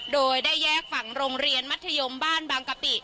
โดยได้แยกฝั่งโรงเรียนมัธยมบ้านบางกะปิ